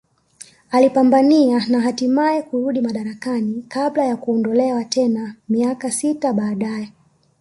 Alipambania na hatimae kurudi madarakani kabla ya kuondolewa tena miaka sita baadae